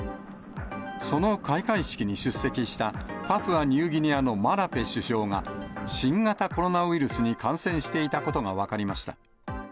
その開会式に出席したパプアニューギニアのマラぺ首相が新型コロナウイルスに感染していたことが分かりました。